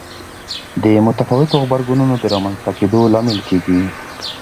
د متفاوتو غبرګونونو د رامنځته کېدو لامل کېږي.